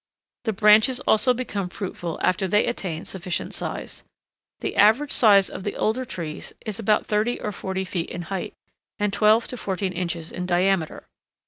The branches also become fruitful after they attain sufficient size. The average size of the older trees is about thirty or forty feet in height, and twelve to fourteen inches in diameter.